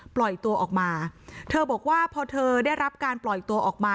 ปล่อยตัวออกมาเธอบอกว่าพอเธอได้รับการปล่อยตัวออกมา